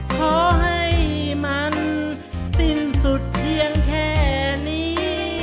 ขอให้มันสิ้นสุดเพียงแค่นี้